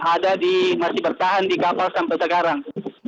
ada di masih bertahan di kapal sampai sekarang